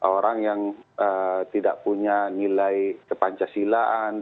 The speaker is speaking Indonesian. orang yang tidak punya nilai kepancasilaan